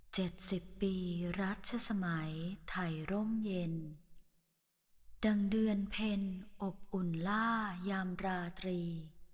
สิบปีรัชสมัยไทยร่มเย็นดังเดือนเพ็ญอบอุ่นล่ายามราตรี